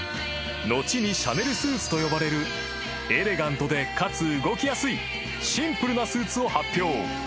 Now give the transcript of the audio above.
［後にシャネルスーツと呼ばれるエレガントでかつ動きやすいシンプルなスーツを発表］